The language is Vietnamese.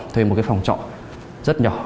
thuê một phòng trọ rất nhỏ